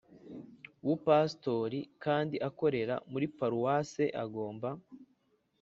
bupasitori kandi akorera muri Paruwase Agomba